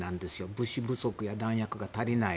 物資や弾薬が足りない。